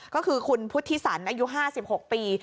ก็คือคุณพุทธิสันอายุ๕๖ปี